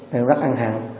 đều rất ăn hẳn